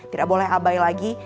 tidak boleh abai lagi